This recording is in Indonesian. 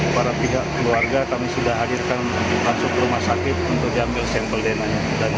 para pihak keluarga kami sudah hadirkan masuk ke rumah sakit untuk diambil sampel dna nya